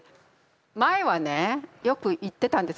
前はねよく言ってたんです。